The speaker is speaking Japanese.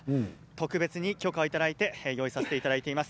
特別に許可をいただいて用意させていただいています。